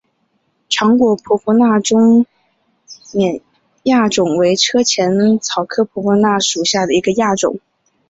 长果婆婆纳中甸亚种为车前草科婆婆纳属下的一个亚种。